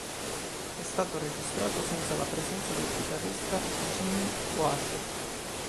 È stato registrato senza la presenza del chitarrista Jim Ward.